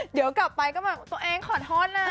เดี๋ยวกลับไปก็แบบตัวเองขอโทษนะ